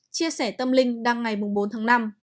chia sẻ tâm linh đăng ngày bốn tháng năm